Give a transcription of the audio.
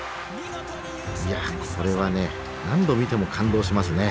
いやこれはね何度見ても感動しますね。